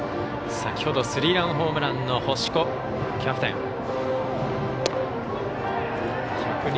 先ほどスリーランホームランの星子キャプテン。